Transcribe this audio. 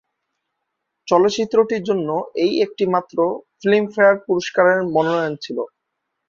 চলচ্চিত্রটির জন্য এই একটি মাত্র ফিল্মফেয়ার পুরস্কারের মনোনয়ন ছিলো।